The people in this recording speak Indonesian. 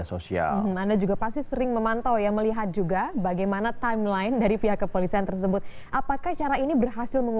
sama brita nindi juga pak argo di good morning